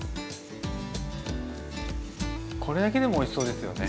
これだけでもおいしそうですよね。